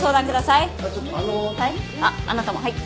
あっあなたもはい。